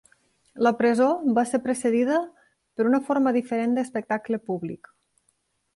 La presó va ser precedida per una forma diferent d'espectacle públic.